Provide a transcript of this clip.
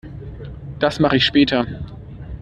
Das mache ich später.